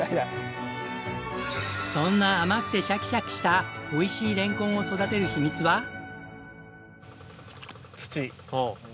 そんな甘くてシャキシャキしたおいしいれんこんを育てる秘密は？